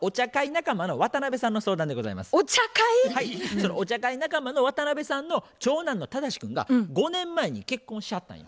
そのお茶会仲間の渡辺さんの長男の忠志君が５年前に結婚しはったんよ。